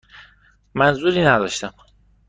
منظوری نداشتم.